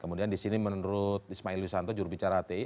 kemudian disini menurut ismail yusanto juru bicara hti